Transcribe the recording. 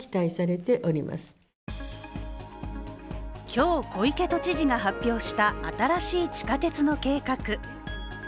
今日、小池都知事が発表した新しい地下鉄の計画。